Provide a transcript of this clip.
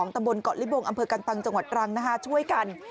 ตำบลเกาะลิบงอำเภอกันตังจังหวัดตรังช่วยกัน